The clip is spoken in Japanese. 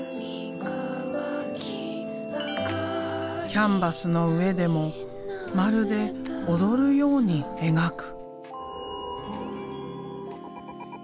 キャンバスの上でもまるで踊るように描く。